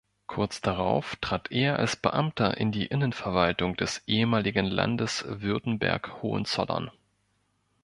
Kurz darauf trat er als Beamter in die Innenverwaltung des ehemaligen Landes Württemberg-Hohenzollern.